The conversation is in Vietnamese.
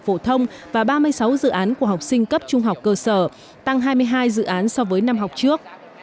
phổ thông và ba mươi sáu dự án của học sinh cấp trung học cơ sở tăng hai mươi hai dự án so với năm học trước